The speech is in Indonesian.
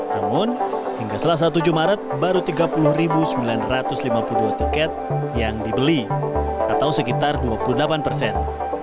namun hingga selasa tujuh maret baru tiga puluh sembilan ratus lima puluh dua tiket yang dibeli atau sekitar dua puluh delapan persen